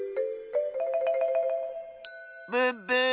ブッブー！